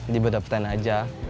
di beda peten aja